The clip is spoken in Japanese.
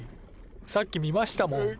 さっき見ましたもんおれ。